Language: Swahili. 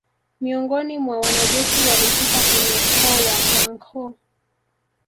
Miongoni mwa wanajeshi walitoka kwenye ukoo wa Wanghoo